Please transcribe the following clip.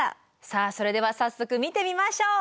さあそれでは早速見てみましょう。